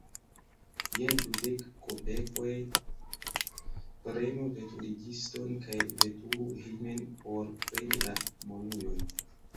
Jen dudek kopekoj; prenu veturigiston kaj veturu hejmen, por preni la monujon.